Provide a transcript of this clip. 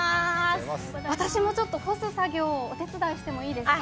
私も干す作業をお手伝いしてもいいですか。